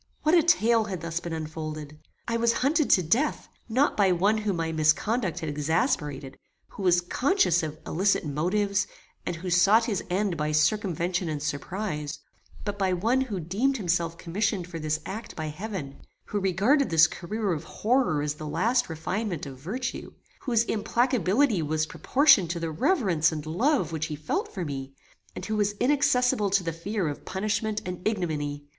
What a tale had thus been unfolded! I was hunted to death, not by one whom my misconduct had exasperated, who was conscious of illicit motives, and who sought his end by circumvention and surprize; but by one who deemed himself commissioned for this act by heaven; who regarded this career of horror as the last refinement of virtue; whose implacability was proportioned to the reverence and love which he felt for me, and who was inaccessible to the fear of punishment and ignominy!